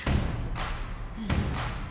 うん。